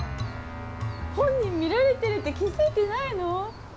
本人見られてるって気づいてないの？